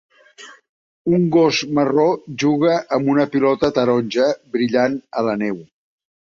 Un gos marró juga amb una pilota taronja brillant a la neu.